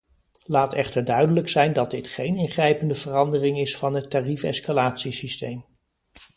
Laat echter duidelijk zijn dat dit geen ingrijpende verandering is van het tariefescalatiesysteem.